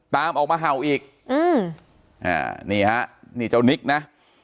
ตามออกมาเห่าอีกอืมอ่านี่ฮะนี่เจ้านิกนะ